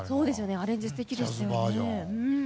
アレンジ素敵ですよね。